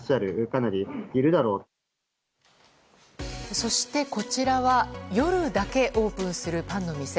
そして、こちらは夜だけオープンするパンの店。